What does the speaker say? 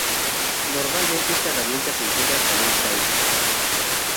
Normalmente esta herramienta se integra con un firewall.